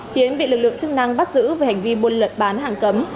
hiến bị lực lượng chức năng bắt giữ về hành vi buôn lật bán hàng cấm